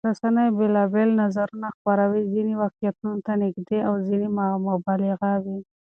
رسنۍ بېلابېل نظرونه خپروي، ځینې واقعيت ته نږدې او ځینې مبالغه وي.